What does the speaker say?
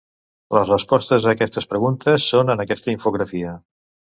Les respostes a aquestes preguntes són en aquesta infografia.